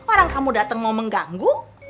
orang kamu datang mau mengganggu